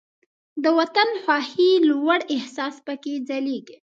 د وطن خواهۍ لوړ احساس پکې ځلیږي.